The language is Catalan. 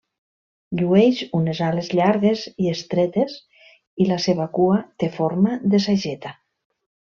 Llueix unes ales llargues i estretes i la seva cua té forma de sageta.